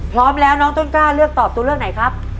พร้อมแล้วน้องต้นกล้าเลือกตอบตัวเลือกไหนครับ